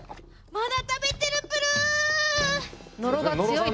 まだ食べてるプル。